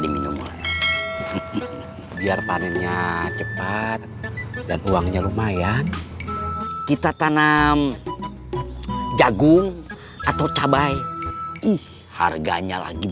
diminum oleh biar panennya cepat dan uangnya lumayan kita tanam jagung atau cabai ih harganya lagi